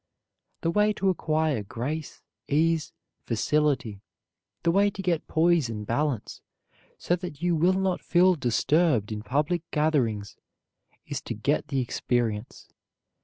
The way to acquire grace, ease, facility, the way to get poise and balance so that you will not feel disturbed in public gatherings, is to get the experience.